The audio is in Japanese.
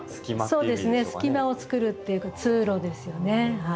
そうですね隙間を作るっていうか通路ですよね。